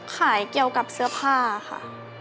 ขายเกี่ยวกับเสื้อผ้าค่ะ